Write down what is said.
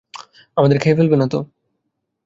আমাদের খেয়ে ফেলবে না তো?